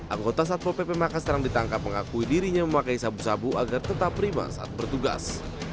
anggota satpo pp makassar yang ditangkap mengakui dirinya memakai sabu sabu agar tetap prima saat bertugas